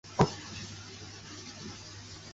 与夕阳产业相对的是朝阳产业。